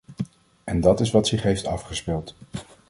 En dat is wat zich heeft afgespeeld.